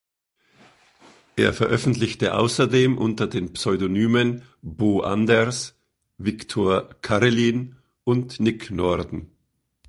Er veröffentlichte außerdem unter den Pseudonymen "Bo Anders", "Victor Karelin" und "Nick Norden".